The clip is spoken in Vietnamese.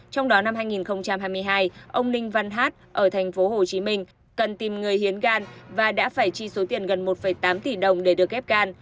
trong đó năm hai nghìn hai mươi hai ông ninh văn hát ở thành phố hồ chí minh cần tìm người hiến gan và đã phải chi số tiền gần một tám tỷ đồng để được ép gan